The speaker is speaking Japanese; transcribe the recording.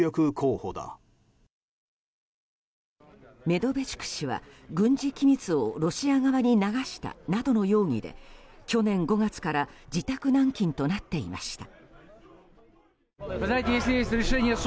メドベチュク氏は軍事機密をロシア側に流したなどの容疑で去年５月から自宅軟禁となっていました。